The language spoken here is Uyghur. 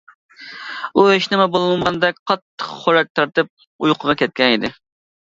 ئۇ ھېچنېمە بولمىغاندەك قاتتىق خورەك تارتىپ ئۇيقۇغا كەتكەن ئىدى.